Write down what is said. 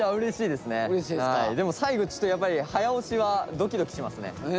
でも最後ちょっとやっぱり早押しはドキドキしますね。